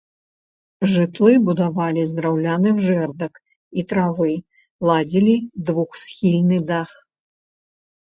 Жытлы будавалі з драўляных жэрдак і травы, ладзілі двухсхільны дах.